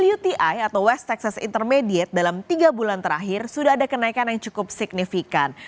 uti atau west texas intermediate dalam tiga bulan terakhir sudah ada kenaikan yang cukup signifikan